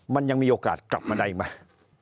มันยังมีโอกาสกลับมาได้ไหม